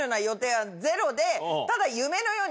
ただ。